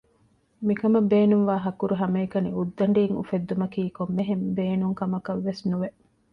މިކަމަށް ބޭނުންވާ ހަކުރު ހަމައެކަނި އުއްދަޑީން އުފެއްދުމަކީ ކޮންމެހެން ބޭނުން ކަމަކަށްވެސް ނުވެ